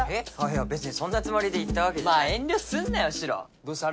いや別にそんなつもりで言ったわけじゃまあ遠慮すんなよシロどうせあれだろ？